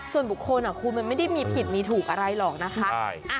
ส่วนบุคคลคุณมันไม่ได้มีผิดมีถูกอะไรหรอกนะคะ